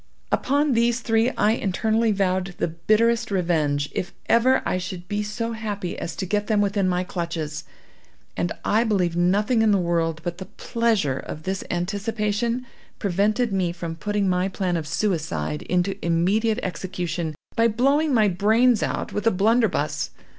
Upon these three I internally vowed the bitterest revenge, if ever I should be so happy as to get them within my clutches; and I believe nothing in the world but the pleasure of this anticipation prevented me from putting my plan of suicide into immediate execution, by blowing my brains out with a blunderbuss.